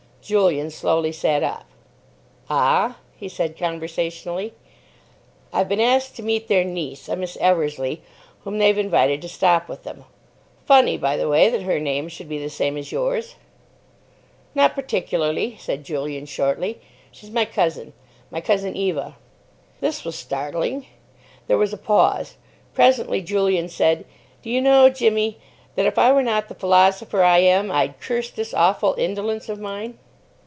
Julian slowly sat up. "Ah?" he said conversationally. "I've been asked to meet their niece, a Miss Eversleigh, whom they've invited to stop with them. Funny, by the way, that her name should be the same as yours." "Not particularly," said Julian shortly; "she's my cousin. My cousin Eva." This was startling. There was a pause. Presently Julian said, "Do you know, Jimmy, that if I were not the philosopher I am, I'd curse this awful indolence of mine."